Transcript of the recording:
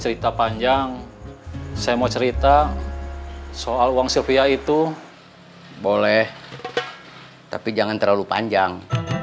cerita panjang saya mau cerita soal uang sylvia itu boleh tapi jangan terlalu panjang